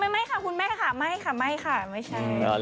ไม่คุณแม่ค่ะไม่ค่ะไม่ใช่